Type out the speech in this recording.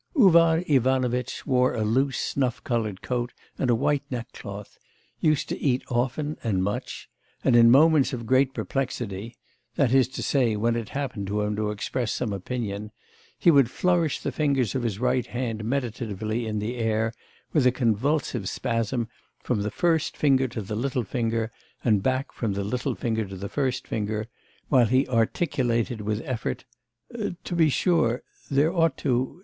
Uvar Ivanovitch wore a loose snuff coloured coat and a white neckcloth, used to eat often and much, and in moments of great perplexity, that is to say when it happened to him to express some opinion, he would flourish the fingers of his right hand meditatively in the air, with a convulsive spasm from the first finger to the little finger, and back from the little finger to the first finger, while he articulated with effort, 'to be sure... there ought to...